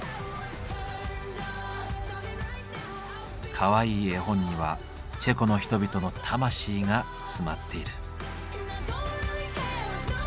かわいい絵本にはチェコの人々の魂が詰まっている。